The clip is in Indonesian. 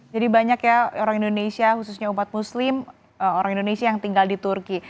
jadi banyak ya orang indonesia khususnya umat muslim orang indonesia yang tinggal di turki